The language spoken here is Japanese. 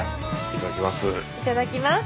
いただきます。